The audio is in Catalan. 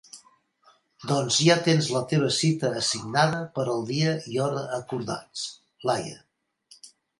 Doncs ja tens la teva cita assignada per al dia i hora acordats, Laia.